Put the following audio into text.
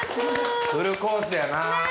フルコースやな。ねぇ！